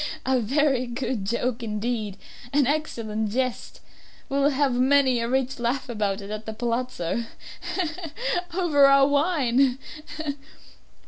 he! he! he! a very good joke indeed an excellent jest. We shall have many a rich laugh about it at the palazzo he! he! he! over our wine he! he! he!"